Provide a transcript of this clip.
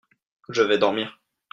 Je vais dormir.